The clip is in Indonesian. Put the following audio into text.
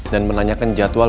dan menanyakan jadwal